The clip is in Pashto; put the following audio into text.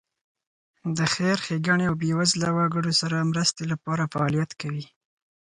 د خیر ښېګڼې او بېوزله وګړو سره مرستې لپاره فعالیت کوي.